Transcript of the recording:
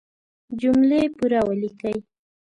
جملې پوره وليکئ!